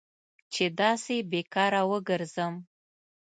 چې داسې بې کاره وګرځم.